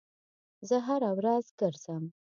زه هره ورځ ګرځم